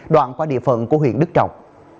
đoạn qua địa phận của huyện đức trọng